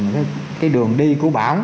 cái đường đi của bão